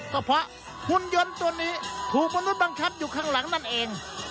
ก็เพราะหุ่นยนต์ตัวนี้ถูกมนุษยบังคับอยู่ข้างหลังนั่นเอง